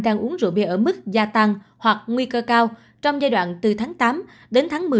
đang uống rượu bia ở mức gia tăng hoặc nguy cơ cao trong giai đoạn từ tháng tám đến tháng một mươi